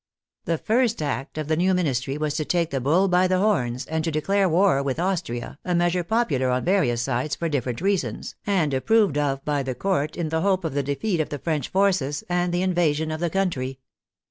The first act of the new Ministry was to take the bull by the horns, and to declare war with Austria, a meas ure popular on various sides, for different reasons, and approved of by the Court in the hope of the defeat of the French forces and the invasion of the country.